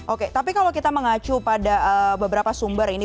oke tapi kalau kita mengacu pada beberapa sumber ini